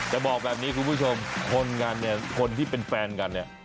จะบอกแบบนี้คุณผู้ชมคนที่เป็นแฟนกันเนี่ย